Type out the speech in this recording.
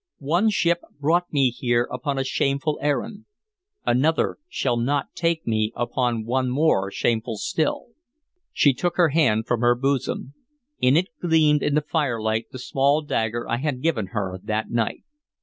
One ship brought me here upon a shameful errand; another shall not take me upon one more shameful still." She took her hand from her bosom; in it gleamed in the firelight the small dagger I had given her that night.